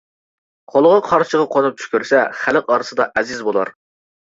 قولىغا قارچىغا قونۇپ چۈش كۆرسە، خەلق ئارىسىدا ئەزىز بولار.